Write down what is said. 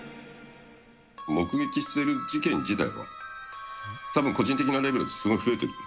目撃している事件自体は、たぶん個人的なレベルですごい増えてる。